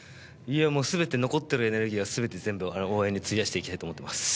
全て残っているエネルギーは応援に費やしていきたいと思っています。